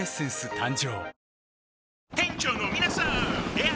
誕生